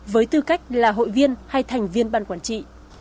với tư cách là hội viên hay thành viên ban quản trị